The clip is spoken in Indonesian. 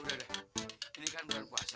ini kan bulan puasa